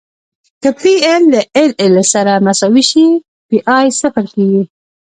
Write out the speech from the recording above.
که پی ایل له ایل ایل سره مساوي شي پی ای صفر کیږي